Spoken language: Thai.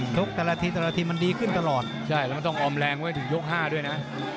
ใช่แล้วมันต้องออมแรงไว้ถึงยก๕ด้วยนะ